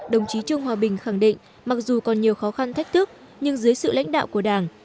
đồng chí trương hòa bình khẳng định mặc dù còn nhiều khó khăn thách thức nhưng dưới sự lãnh đạo của đảng